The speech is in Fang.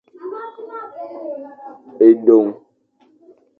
Edong.